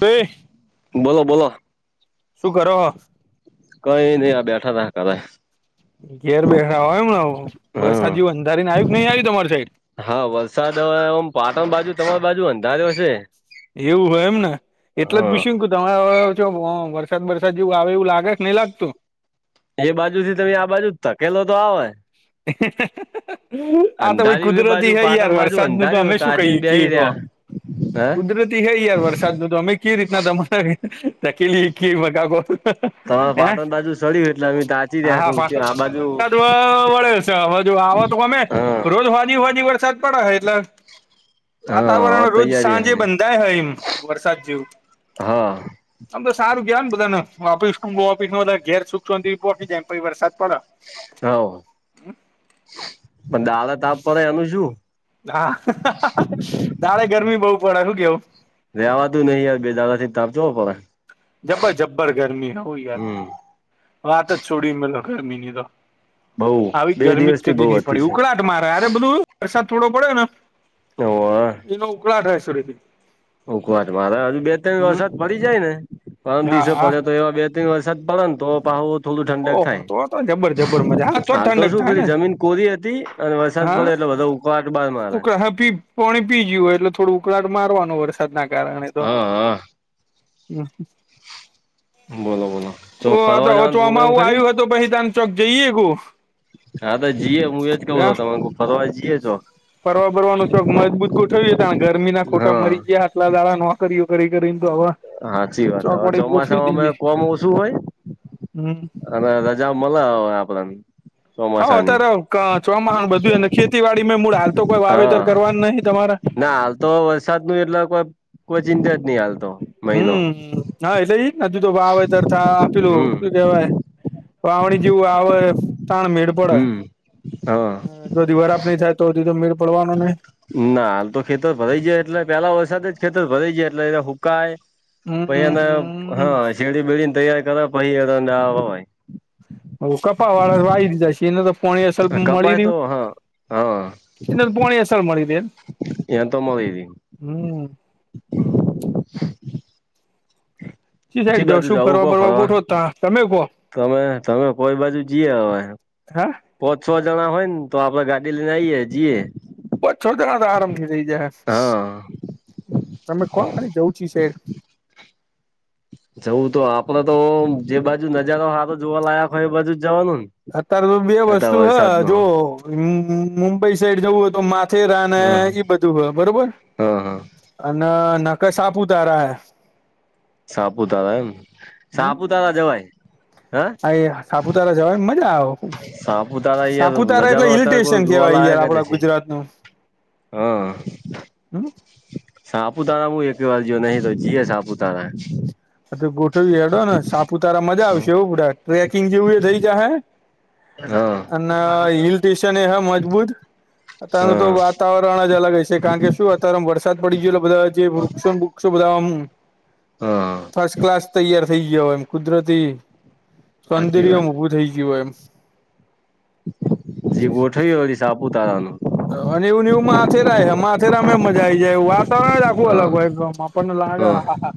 [inaudible] બોલો બોલો શું કરો કઈ નહી આ બેઠા હતા ઘરે. ઘેર બેઠા હોય એમ હા વરસાદી જેવું અંધારી ને આવ કે નઈ આવી તમારી સાઈડ હા, વરસાદ હવેમ પાટણ બાજુ તમારી બાજુ અંધાર હ છે, એવું હે એમ ને એટલે જ હા પૂછ્યું. [inaudible] તમે હવે છો વરસાદ વરસાદ જેવું આવે એવું લાગે છે નહી લાગતું. એ બાજુ થી તમે આ બાજુ ઘકેલો તો આવે. [unintelligible] આ તો ભાઈ અંધાર્યું એ કુદરતી બાજુ હય યાર પાટણ બાજુ વરસાદ નું તો અંધાર્યું અમે શું તાચીને બેહી કહીએકીએ, રહ્યા હે કુદરતી હ યાર વર અમે કે રીતના તમારે ધકેલી કે [unintelligible] તમારે પાટણ બાજુ સડ્યું એટલે અમે તાચી રહ્યા [unintelligible] કઉ છું. આ બાજુ વરસાદ અચ્છા હ જો આવા તો ગમે હા રોજ વાજી હોનજે વરસાદ પડે હ એટલે હા વાતાવરણ હવે રોજ તૈયારી હે સાંજે નઈ બંધાય હ એમ વરસાદ જેવું. હા આમ તો સારું ગયા ને બધને ઓપીસ ઓફીસ ઘેર સુખિ સોનતી જમ વરસાદ પડે. હવ પણ દાળ તાપ પડે એનું શું? [unintelligible] હા, દાળે ગરમી બહુ પડે શું કેવું? રેવાતું નહી યાર બે દાદા થી તાપજો ચેવો પડે. જબ્બર જબ્બર ગરમી હો યાર હમ વાત જ છોડી મેલો ગરમી ની તો. બઉ આવી બે ગરમી દિવસ જ થી બઉ કદી નહી હતી પડી છે ઉકળાટ મારે અરે બધું વરસાદ થોડો પડે ને, ઓવે એનો ઉકળાટાયસો [unintelligible] ઉકવા મારે હજુ બે ત્રણ વરસાદ પડી જાય ને પરમ દિવસો હા પડે તો એવા બે [unintelligible] વરસાદ પડે ને તો પણ હું થોડું ઠંડક ઓહો થાય તો તો જબર જબર મજા હા જ હાલ તો ઠંડક શું પે થાય ને જમીન કોરી હતી, અને વરસાદ પડે એટલે બધા ઉકાવાટ બાદ માં ઉકળી પો પી જય હોય એટલે થોડું ઉકળાટ મારવાનો વરસાદના કારણે તો હા હા [unintelligible] બોલો બોલો ઓ ચોક આ ફરવા તોવે જવાનો પ્રોગ્રામ ચોમાહુ ખરી આવ્યું હતું પહીતાાન ચોક જઈએ ગુ હા તો જીયે હું એજ કઉું આ છું તમાર કુ ફરવા જીએ જો. ફરવા બરવાનું ચોક મજબૂત કો થયું જ તા ગરમી ના ખોટા હા મરી ગયા હાટલા દાડા ન વા કર્યું કરી કરીને તો આવા ચોક વડે ગોઠવી દઈએ. આમ ઓસું હોય? હમ્મ. અને રજા મલે હવે આપડાને. હોવ અત્યારે કા ચોમાહું ને બધું અને ખેતીવાડી મે મૂળ હાલ તો કોઈ વાવેતર હા કરવાનું નહીં તમારે. ના હાલ તો વરસાદ નું એટલા કોક કોઈ જિંજટ નહીં હાલતો. હમ્મ. હા એટલે ઈ જ ને, હજું તો વાવેતર થાય પેલું હમ શું કેવાય? વાવણી જેવું આવે હે, તાણ મેળ પડે. હમ હા તો દિવાર આપડી ચાર તો હજી તો મેળ પડવાનો નહિં. ના. હાલ તો ખેતર ભરાઈ જાય એટલે પેલા વરસાદ જ ખેતર ભરાઈ જાય એટલે એ હુકાય પહી એને હમ હા શેરડી બેરડીને તૈયાર કરાય પહી એને ના વવાય. હું કપાહ વાળા તો વાવી દીધા [unintelligible] પોણી અસલ મળી કપાય તો રહ્યું, હા હા એટલે પોણી અસલ મળી રહે. [unintelligible] હમ્મ. ચી બાજુ જવું કો ફરવા [unintelligible] તમે કહો. તમે તમે હા? પો છ જણા હોય ને તો આપડે ગાડી લઈને આઈએ, જીએ પો છ જણા તો આરામથી થઇ જાહે, હા તમે કોણ ખાલી જવ છો શહેર. જવું તો આપડે તો જે બાજુ નજારો હારો જોવા લાયક હોય એ બાજુ જ જવાનું ન. અત્યારે તો બે વસ્તુ હે, જો મુંબઈ સાઈડ જવું હોય તો મા થેરા હ ને ઈ બધું હે, બરોબર? હ હ અને નકર સાપુતારા હે. સાપુતારા એમ? હમ સાપુતારા જવાય. હે [unintelligible] સાપુતારા જવાયન મજા આવે. સાપુતારા યાર સાપુતારા એટલે નજારો હિલ અત્યારે કોઈ સ્ટેશન કેવાય યાર જોવાલાયક જ આપડા હશે. ગુજરાત નું. હા. હમ સાપુતારા હું એકેય જ્યો નહીં, તો જીયે સાપુતારા. હા તો ગોઠવવીએ હેડો ને, સાપુતારા મજા આવશે હો [unintelligible] ટ્રેકિંગ જેવું એ થઈ જા હે હા અને હિલ ટેશન એ હે મજબૂત. અતારનું તો હા વાતાવરણ તરણ જ અલગ હઈશે, કારણ કે શું અત્યારે આમ વરસાદ પડી ગયો એટલે બધા જે વૃક્ષોન બૃક્ષો બધા આમ હા ફર્સ્ટ ક્લાસ તૈયાર થઈ ગયો એમ, કુદરતી સાચી સૌંદર્ય વાત ઉભું થઈ ગયું એમ. જી ગોઠવીએ પછી સાપુતારાનું. અને એવુંને એવું માથેરાય હે, માથેરામાંય મજા આઈ જાય. વાતાવરણ જ આ ખુ હા અલગ હોય, આપણને લાગે હા, હા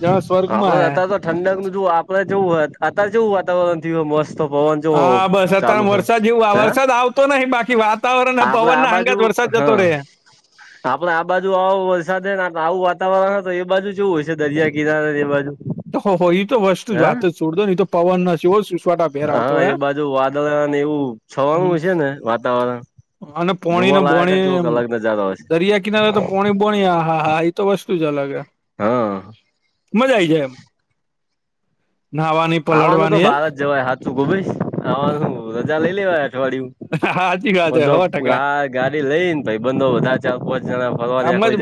જાણે સ્વર્ગમાં આપડે હે. અત્યારે તો ઠંડક ન જો આપડે જવું હોય અતારે જેવું વાતાવરણ થયુ મસ્ત. પવન જો હા બસ. અતારે ચાલુ આમ હે વરસાદ જેવું હે વરસાદ આવતો નહીં બાકી વાત વાતાવરણ અને આપડે પવન આ ના બાજુ [unintelligible] વરસાદ જતો હા રહે. આપડે આ બાજુ આવો વરસાદ હે ને આવું વાતાવરણ હે, તો એ બાજુ જેવું હશે દરિયા કિનારે ને એ બાજુ? ઓહો ઈ તો વસ્તુ જા હે વાત જ છોડ દો, ઈ તો પવન [unintelligible] હા એ બાજુ વાદળા ને એવું હમ છવાનું હશે ને વાતાવરણ અને જોવા પોણીને લાયક જ ચોક બોણી, અલગ નજારો હશે દરિયા કિનારે તો પોણી પણ હા હા ઈ તો વસ્તુ જ અલગ હે. હા મજા આ આવી જાય એમ નહાવાની આવાનું તો બાર જ જવાય હાચું ગોભેશ, આવાનું તો રજા લઈ લેવાય અઠવાડિયું. હાચી વાત પણ હે જો હો ટકા આ ગાડી લઈને ભઈબંધો વધાર ચાર પાંચ જણા આ ફરવાની [unintelligible] મજ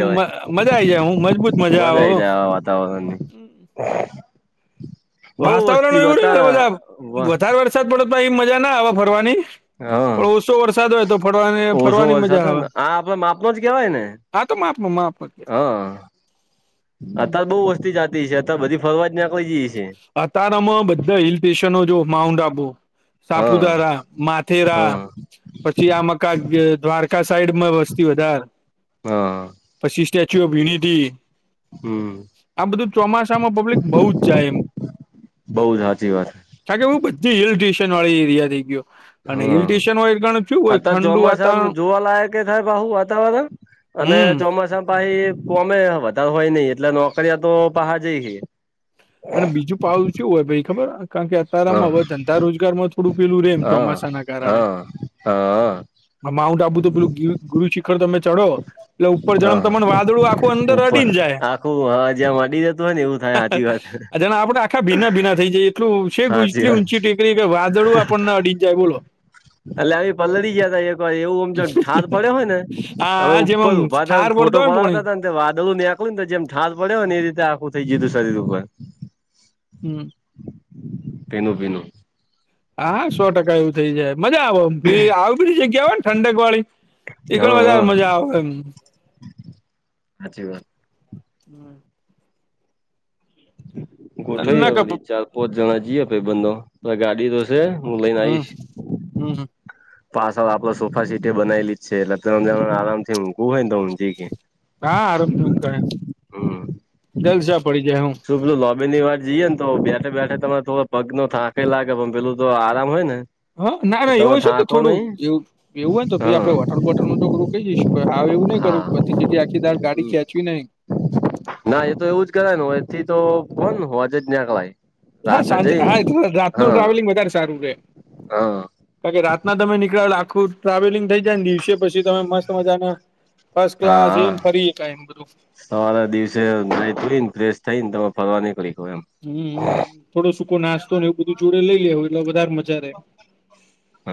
મજા આઈ જાય હું મજબૂત મજા આવે આઈ હો જાય આવા વાતાવરણની. બહુ વાતાવરણ વસ્તી એવું રહેને બતા બધા વાહ વધારે વરસાદ પડે તો પહીં મજા ના આવે ફરવાની. હા. ો વરસાદ હોય તો ફરવા ઓછો ફરવાની વરસાદ મજા હોય આવે. ને આ આપડે માપનો જ કેવાય ને હા તો માપ માં માપ માં હા અત્યારે બહુ વસ્તી જાતી છે અત્યારે બધી ફરવા જ નાકી જઈ છે અતારમાં બધા હિલ સ્ટેશનો જો માઉન્ટ આબુ હા સાપુતારા, માથેરા હા પછી આમ ક દ્વારકા સાઈડ માં વસ્તી વધાર હા. પછી સ્ટેચ્યુ ઓફ યુનિટી હમ આ બધું ચોમાસામાં પબ્લિક બહુ જ જાય એમ બઉ જ સાચી વાત કારણ કે હું બધી હિલ સ્ટેશન વાળી એરિયા થઈ ગયો અને હિલ હમ સ્ટેશન હોય કારણ શું હોય આતા ઠંડુ ચોમાસામાં વાતાવરણ જોવાલાય કે થાય પહુ વાતાવરણ અને હમ ચોમાસામ છ કોમે વધારે હોય નહિ એટલે નોકરીયા તો બહાર જઈ છે. અને બીજું પાવું ચેવુ હોય ભઇ ખબર કારણ કે હા અતારમાં હવે ધંધા રોજગારમાં થોડું પેલું રેમ હા ચોમાસાના કારણે હા હા આ માઉન્ટ આબુ તો પેલું ગી ગુરુ શિખર તમે ચઢો એટલે ઉપર જાવ હા તમને વાદળું આખું અંદર ઉપર અડી ને જાય આખું હા જ્યાં અડી જતું હોય ને એવું થાય સાચી વાત ને આપડે આખા ભીના ભીના થઈ જાય એટલું છે એટલી સાચી ઊંચી વાત ઊંચી ટેકરી કે વાદળું આપણને અડી જાય બોલો એટલે આવી પલળી ગયા તા એક વાર એવું આમ ઠાર પડે હોય ને હવે આ જેમ ઉપર આમ ઊભા થા ઠાર વળતો ફોટો હોય ને પોણી પડાવતા તને વાદળું નેંક્યું ને જેમ ઠાલ પડે હોય ને એ રીતે આખું થઈ જીતું શરીર ઉપર હમ [unintelligible] ભીનું ભીનું હા સો ટકા એવું થઇ જાય મજા આવે આવ બધી જગ્યા હોય ને ઠંડક વાળી ઈ કણ હા વધારે હા મજા આવે એમ સાચી વાત હમ ના કપ ગોઠવીએ ચાર પાંચ જણા જઈએ ભાઈ બંધો ત ગાડી તો છે હું લઈને આ હમ આવીશ હમ હમ [unintelligible] પાછળ આપડે સોફા સીટે બનાવે લી છે એટલે ત આરામથી ઊઘું હોય ને તો ઊંધી જઈ કે હા આરમ થી ઉધમુ ક જલશા પડી જાય હું ત પેલું લોબી ની વાર જઈએે ને તો બેઠે બેઠે તમારે થોડો પગ નો થાંક લાગે પણ પેલું તો આરામ હોય ને હ ના ના તમે એવું છે ને તો થાકો થોડું નહી એવું એવું હો તો ભાઈ આપે હા હોટલ બોટલ માં કે રોકાઈ જઈશું હાવ એવું નઈ હા કરું બધી જ આખી ગાડી ખેંચવી નઈં ના એ તો એવું જ કરાય ને હોય એથી તો કોણ હો હોજે જ નીકળાય હા રાતે સાંજે જઈ હા રાત નો હા ટ્રાવેલિંગ વધારે સારું રહેે હા કારણ કે રાતના તમે નીકળે આખું ટ્રાવેલિંગ થઈ જાય ને દિવસે પછી તમે મસ્ત મજાના ફર્સ્ટ હા ક્લાસ હા એને ફરીને બધું સવારે દિવસે નાઈ ધોઈ ને ફ્રેશ થઈને તમે ફરવા નીકળી ગયો એમ હમ થોડો સૂકો નાસ્તો ને એવું બધું જોડે લઈ લે એટલે વધારે મજા રે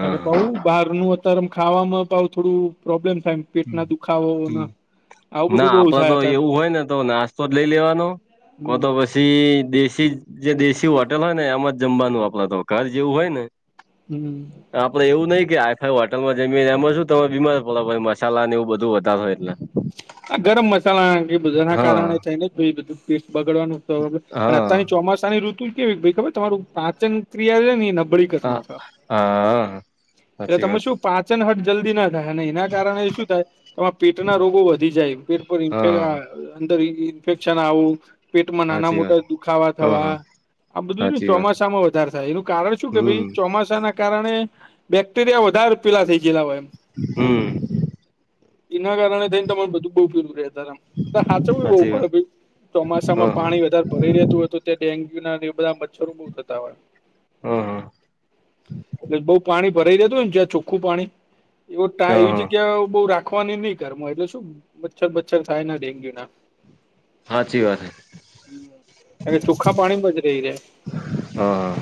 કાર કે બહુ બહાર નું અત્યારે ખાવામાં થોડું પ્રોબ્લેમ થાય પેટના દુખાવો ને આવું બધું -ના બહુ આપડે થાય તો અત્યારે એવું હોય ને તો નાસ્તો જ લઈ લેવાનો હમ કોતો બસ પછી દેશી જે દેશી હોટેલ હોય ને એમાં જ જમવાનું આપડે તો ઘર જેવું હોય ને હમ આપડે એવું નહિ કે આઈફાઈ હોટલમાં જમીએ એમાં છું તમે બીમાર પડો મસ્ત્ ચાલાન એવું બધું વધાર હોય એટલે આ ગરમ મસાલા બધા ના કારણે હા થઈને બધું પેટ બગડવાનું ર હા અત્યારની ચોમાસાની ઋતુ કેવી ખબર તમારું પાચન ક્રિયા છે નબળી [unintelligible] હા હા એટલે સાચી તમે વાત શું? પાચન હટ જલ્દી ના થાય અને એના કારણે શું થાય કેમાં પેટના રોગો વધી જાય હા અંદર ઇન્ફેક્શન આવું પેટમાં નાના સાચી વાત મોટા દુખાવા હા થવા. હા આ બધું ને સાચી વાત ચોમાસામાં વધારે થાય એનું કારણ શું કે હમ ભાઈ ચોમાસાના કારણે બેક્ટેરિયા વધારે પીલા થઈ ગયેલા હોય એમ- હમ- એના કારણે થઈને તમારે બધું બઉ ફેરું રહે તમ બધા સાચવ બહુ સાચી વાત પડે હ ચોમાસામાં હ પાણી વધારે ભરી રહેતું હોય તો ત્યાં ડેન્ગ્યુ ના બધા મચ્છરો બહુ થતા હોય. હઅઅ એટલે બહુ પાણી ભરાઈ જતું હો ને જ્યાં ચોખ્ખું પાણી એવ હ હ એવી જગ્યા બહુ રાખવાની નહિ. ઘરમો એટલે શું મચ્છર મચ્છર થાય ડેન્ગ્યુ ના. સાાચી વાત હૈ. કાર કે ચુખ્ખા પાણી બચ રહી છે હ હ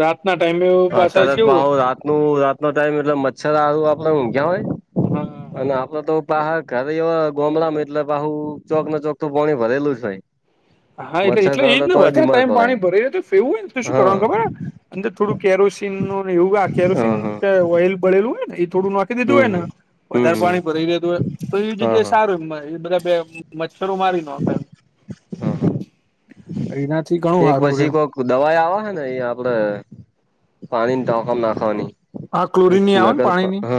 રાત ના ટાઈમે પાછા અત્યારે છે તો એવું પાહુ રાતનું રાત ટાઈમ મચ્છર આ આપડે ઊઘ્યાં હોય ને હા અને આપડે તો બહાર ઘરે ગોમડામાં એટલે બાહુ ચોક ના ચોકું પોણી ભરેલું જ ભાઈ હા એટલે એટલે એ જ ને વધારે ટાઈમ પડાય પાણી ભરે તો ફેવું હોય તો શું હા કરવાનું ખબર અંદર થોડું કેરોસીન ન એવું હા કેરોસીન હા ઓઇલ બળેલું હોય ને એ થોડું ના દીધું હમ હોય ને હમ હમ વધારે હમ પાણી ભરી દેતું હોય તો એ હા જગ્યાએ હા સારું બધા મચ્છરો મારી નાખાય એમ. હા હા એનાથી ઘણું એક સારું પછી એમ કોઈક દવાઈ આવે છે ને એ આપડે પાણી ટોંકામ નાખવાની. હા ક ક્લોરીન ની આવે ને નગર પાણીની હ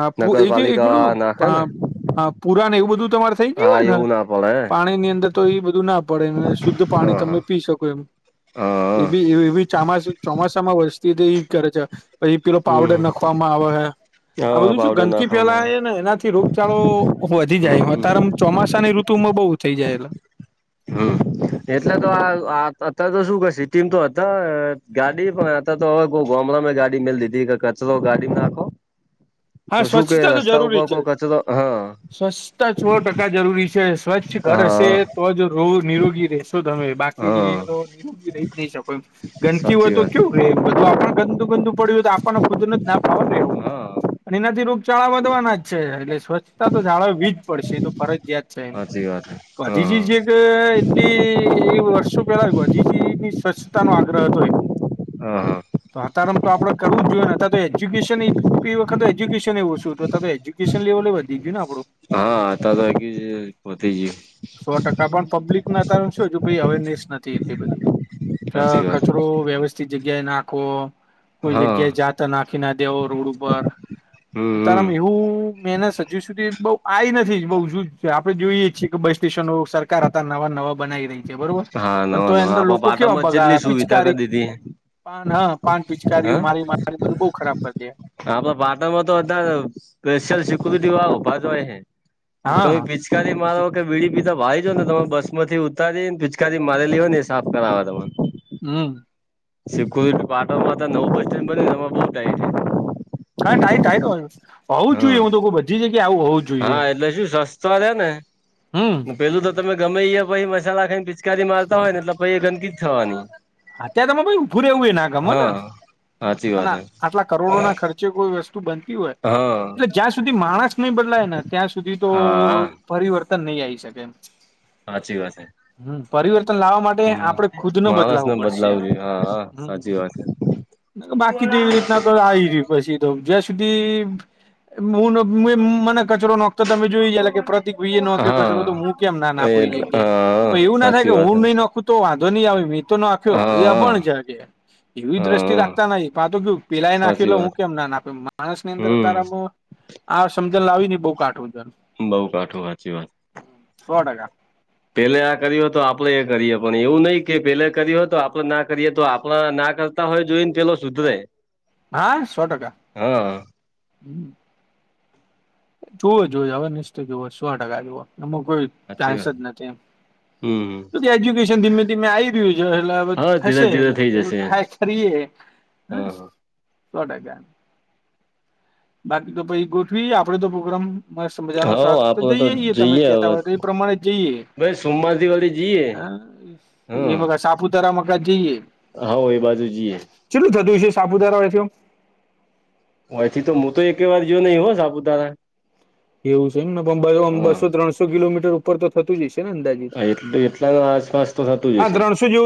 હા પુ- એ જે એક પેલું નગરપાલિકા નાખે ને પા- હા પુર ને એવું બધું તમારે થઇ ગયું હા હોય ને એવું ના પડે હે પાણી ની અંદર તો એ બધું ના પડે શુદ્ધ પાણી હા તમે હા પી શકો એમ. હા એ હા બી એ બી ચમાસ ચોમાસામાં વસ્તી તે એ કરે છે પછી પીલો પાવડર હમ નાખવામાં આવે હ આ હા બધું શ પાવડર ગંદકી નાખવામાં ફેલાય ને એનાથી રોગચળો વધી આવે જાય હમ હ હમ અત્યારે ચોમાસા ની ઋતુમાં બહુ થઈ જાય એ. હમ એટલે તો આ અત તો શું કર સિ ટીમ તો હતા ગાડી પણ તો હવે કો ગમળમાં ગાડી મેલ દીધી કે કચરો ગાડી નાખો. હ હા તો શું કે સ્વચ્છતા તો રસ્તા જરૂરી ઉપર છે. કોઈ કચરો હા સ્વચ્છતા સ ટકા જરૂરી છે. સ્વચ્છ ઘર હશે હા તો જ રો નિરોગી રહેશે. તમે બાકીનો હા નિરોગી રહી જ નહી શકો એમ ગંદકી હોય સાચી તો વાત કેવું રે એમ તો આપણ ગંદુ ગંદુ પડ્યું તો આપણને ખુદરને જ નાવાનુંનેું હા અને એનાથી રોગચાળા વધવાના જ છે એટલે સ્વચ્છતા તો જાળોવીીજ પડશે તો સાચી વાત ફરજિયાયાત હા એ પજી જે એટલી એ વર્ષો પેલા ગાંધીજી ની સ્વચ્છતા નો આગ્રહ હતો એ હા હા તો અતારમ તો આપડે કરવું જ જોઈએ ને અ તો એજ્યુકેશન [inaudible] આખર એ્યુકેશન એવું હતું ત તો એ્યુકેશન લેવલે વધી ગયુંને આપડો. હા હતા તે વધી ગયું પબ્લિકને અ શું અવેરનેસ નથી એટલી બધી સાચી વાત કચરો વ્યવસ્થિત જગ્યાએ નાખો કોઈ હા જગ્યાએ જાતા નાખી ના દેવો રોડ ઉપર હમ હમ અ એવું મનત હજુ સુધી બ આ નથી બ આપણે જોઈએ છીએ કે બસ સ્ટેશનો સર હતા, નવા નવા બનાઈ રહી છે બરોબર હા પણ તો નવા એ નવા અંદર આપડા લોકો કેવા પાટણમાં જેટલી બગાડ સુવિધા કરી પિચકારી દીધી પાન હા પાન પિચકારી્યું મારી મા બધું બહ ખરાબ પે આપણા પાટણમાં તો બધા સ્ેશયલ સિકુરિટી વા ભા હોય હા છે. મારાખ વીડી પીધા ભાઈ જો ને તમામે બસ માંથી ઉતારી ને કાદી મારેલી હો હી સાફ કરાવવા તને હમ શીખ પાટણમાં નવું બસ સ્ટન્ બને એ બ થાય છે. હા ટાય થાય તો હોય હોવું જ હા જોઈએ હું તો બધી જગ્યા આવું હોવું જોઈએ હા એમ એટલે શું સસ્તા રે ને હમ પેલું તો તમે ગમે એ પછી મસાલા ખાઈને પિચકારી મારતા હોય ને એટલે પછી એ ગંદકી જ થવાની. અત્યારે તરે ઉભું રહેવું હો ના ગમેો ને હા સાચી અને વાત હે આટલા કરોડો ના ખર્ચે કોઈ વસ્તુ બનતી હોય હા એટલે જ્યાં સુધી માણસ નહી બદલાય ને ત્યાં સુધી તો હા પરિવર્તન નહી આવી શકે એમ સાચી વાત હે હમ પરિવર્તન લાવવા માટે આપડે હમ ખુદ નો માણસને બદલાવું પડશે જોઈએ હા હા સાચી વાત છે બાકી તો એવી રીતના તો પછી તો જ્યાં સુધી હું મને કચરો તો તમે જોઈ ચ કે પ્રતિક ભી એ હા નોચરો તો હું કેમ નાખું એટલે કેમ હા તો એવું ના થાય સાચી કે વાત હું છે નહી નખું તો વાંધો નહીં આવે મે તો ન હા એ અપણ છે હા કે એવી દ્રષ્ટિ હા રાખતા નથી પા તો કયુ પિલાઈ સાચી નાખી વાત હું કેમ ના આપી માણસ ની અંદર હમ તારા આ સમજણ લાવી નઈ બઉ કાટુંજન બઉ કાઠું સાચી વાત હ સો ટકા પેલે આ કર્યું હો તો આપડે એ કરીએ પણ એવું નહીં કે પેલે કર્યું હો તો આપડે ના કરીએ તો આપણા ના હોય જોઈ ને પેલો સુધરે હા સો ટકા હ હા જુવઓ જોએ હવે નિસ્તો જોવો સો ટકા જવો એમાં કોઈ સાચી ચાન્સ વાત જ નથી એમ હમ તો કે એજ્યુકેશન ધીમે ધીમે આવી રહ્યું છે એટલે હવે હા ધીરે થશે એમ ધીરે થઈ બવું જશે ટ્રાય કરીએ હા હ સોટ ગાન બાકી તો પછ ગોઠવી આપડે તો પ્રોગ્રમ મ મજાનો હા સા તો આપડે જઈએએ તમે જઈએ કતા હવે હોય તો એ પ્રમાણે જઈએ ભાઈ સોમવારથી વળી જઈએ હ એ હા મ સાપુતારા મકાજ જઈએ હા એ બાજુ જઈએ કેટલું થતું છે, સાપુતારાથી હોયથી તો હું તો એક વાર જોયો નહીં હો સાપુતારા એવું છે એમ ને પણ હા બસો ત્રણસો કિલોમીટર ઉપર તો થતું જાયશે ને અંદાજ એટલ એટલા આસપાસ તો થતું જ હશે સુજો